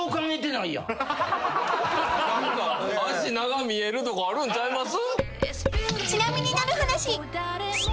脚長く見えるとかあるんちゃいます？